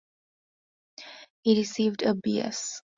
He received a B.s.